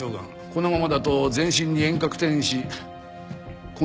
このままだと全身に遠隔転移し根治は難しい。